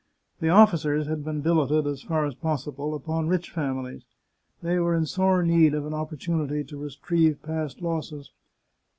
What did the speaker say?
The officers had been billeted, as far as possible, upon rich families. They were in sore need of an opportu nity to retrieve past losses.